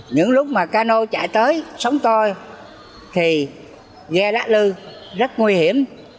những lúc mà cano chạy tới sống tôi thì ghe đá lư rất nguy hiểm